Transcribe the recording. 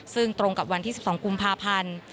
ซึ่งตรงกับวันที่๑๒กุมภาพันธ์